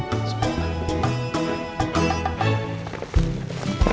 sini ini buat aku bu